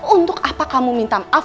untuk apa kamu minta maaf